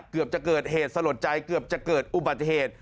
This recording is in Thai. เกือบจะเกิดเหตุสลดใจเกือบจะเกิดอุบัติเหตุ